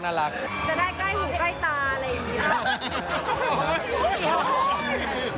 จะได้ใกล้หูใกล้ตาอะไรอย่างงี้หรอ